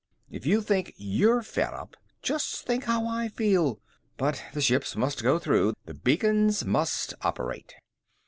If you think you're fed up, just think how I feel. But the ships must go through! The beacons must operate!"